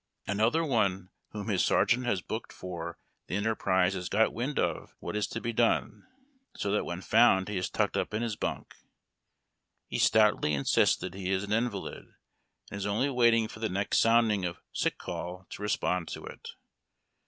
Another one whom his sergeant has booked for the enter prise has got wind of what is to be done, so that when found he is tucked up in his bunk. He stoutly insists that he is an invalid, and is only waiting for the next sounding of "Sick call" to respond to it.